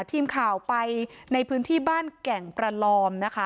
ทีมข่าวไปในพื้นที่บ้านแก่งประลอมนะคะ